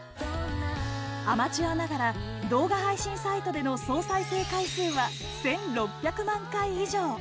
アマチュアながら動画配信サイトでの総再生回数は１６００万回以上！